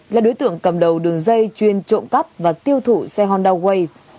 là đối tượng cầm đầu đường dây chuyên trộm cắp và tiêu thủ xe honda wave